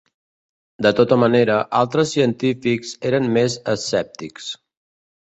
De tota manera, altres científics eren més escèptics.